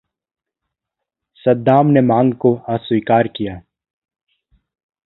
सद्दाम ने मांग को अस्वीकार किया।